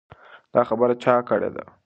دا خبره چا کړې وه؟